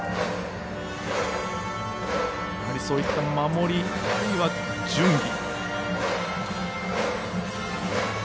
そういった守り、あるいは準備。